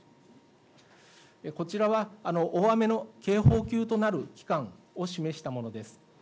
こちらは大雨の警報級となる期間を示したものです。